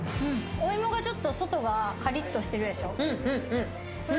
お芋がちょっと外がカリッとしてるでしょ。